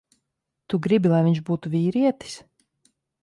Tu gribi, lai viņš būtu vīrietis.